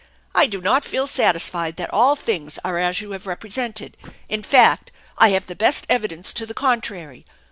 I do not feel satisfied that all things are as you have represented. In fact, I have the best evidence to the Contrary.